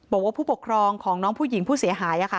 บอกว่าผู้ปกครองของน้องผู้หญิงผู้เสียหาย